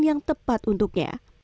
yang tepat untuknya